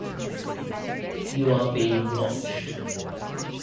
You are being watched.